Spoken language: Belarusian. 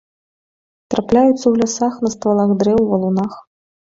Трапляюцца ў лясах на ствалах дрэў, валунах.